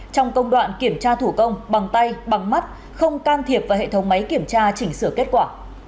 trong công đoạn kiểm tra thủ công bằng tay bằng mắt không can thiệp vào hệ thống máy kiểm tra chỉnh sửa kết quả